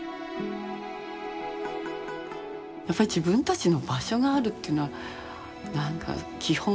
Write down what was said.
やっぱ自分たちの場所があるっていうのはなんか基本？